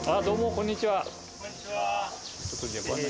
こんにちは。